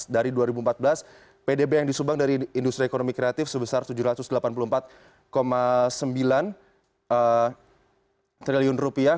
dari dua ribu empat belas pdb yang disumbang dari industri ekonomi kreatif sebesar tujuh ratus delapan puluh empat sembilan triliun rupiah